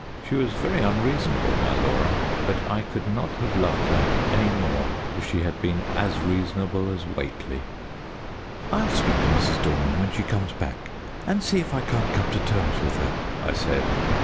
She was very unreasonable, my Laura, but I could not have loved her any more if she had been as reasonable as Whately. "I'll speak to Mrs. Dorman when she comes back, and see if I can't come to terms with her," I said.